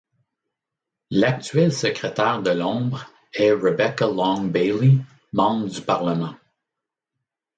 L'actuel secrétaire de l'ombre est Rebecca Long Bailey, membre du Parlement.